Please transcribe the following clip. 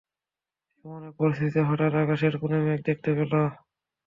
এমন এক পরিস্থিতিতে হঠাৎ আকাশের কোণে মেঘ দেখতে পেল।